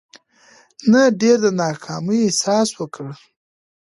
نه ډېر د ناکامي احساس وکړو.